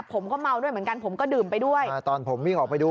ผมก็เมาด้วยเหมือนกันผมก็ดื่มไปด้วยอ่าตอนผมวิ่งออกไปดู